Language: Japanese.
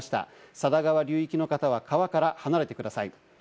佐田川流域の方は川から離れてください。